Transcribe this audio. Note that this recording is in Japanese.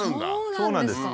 そうなんですか。